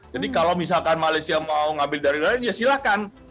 jadi kalau misalkan malaysia mau mengambil dari negara lain ya silakan